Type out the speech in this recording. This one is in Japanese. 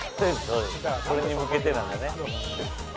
これに向けてなんだね。